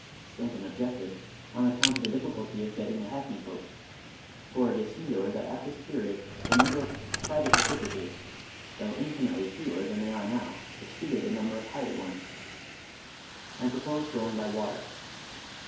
Stanton objected, on account of the difficulty of getting a hackney coach (for it is singular that at this period the num ber of private equipages, though infinitely fewer than they are now, exceeded the number of hired ones), and proposed going by water.